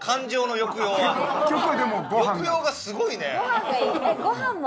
抑揚がすごいね！